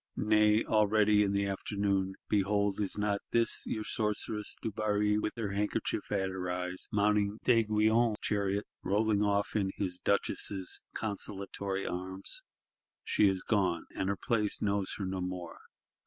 Nay, already, in the afternoon, behold is not this your Sorceress Dubarry with the handkerchief at her eyes, mounting D'Aiguillon's chariot; rolling off in his Duchess's consolatory arms? She is gone; and her place knows her no more.